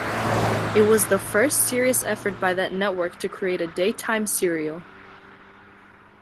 It was the first serious effort by that network to create a daytime serial.